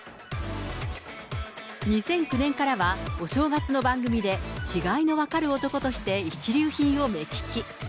２００９年からはお正月の番組で、違いの分かる男として一流品を目利き。